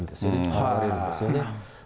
あらわれるんですよね。